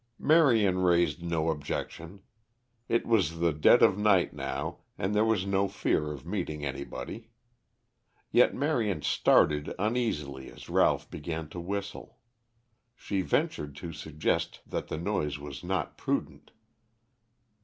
Marion raised no objection. It was the dead of night now and there was no fear of meeting anybody. Yet Marion started uneasily as Ralph began to whistle. She ventured to suggest that the noise was not prudent.